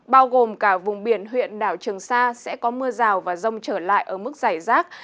bao gồm cả vùng biển huyện đảo trường sa sẽ có mưa rào và rông trở lại ở mức dày rác